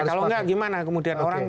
kalau nggak gimana kemudian